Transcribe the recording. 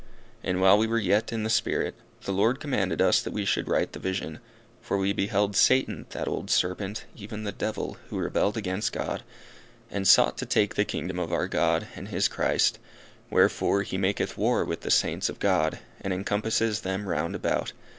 And while we were yet in the Spirit, the Lord commanded us that we should write the vision, for we beheld Satan, that old serpent even the devil, who rebelled against God, and sought to take the kingdom of our God, and His Christ, wherefore he maketh war with the Saints of God, and encompasses them round about.